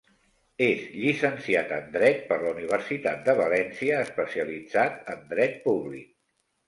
És llicenciat en dret per la Universitat de València, especialitzat en dret públic.